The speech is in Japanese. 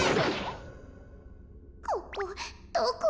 ここどこ？